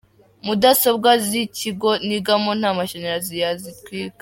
Mudasobwa zikigo nigamo ntamashanyarazi yazitwika.